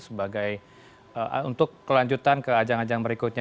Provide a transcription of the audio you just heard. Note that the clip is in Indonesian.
sebagai untuk kelanjutan ke ajang ajang berikutnya